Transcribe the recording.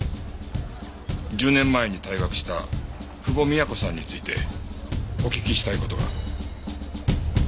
１０年前に退学した久保美也子さんについてお聞きしたい事が。